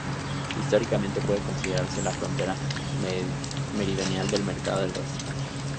Históricamente puede considerarse la frontera meridional del mercado del Rastro.